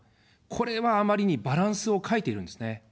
これはあまりにバランスを欠いているんですね。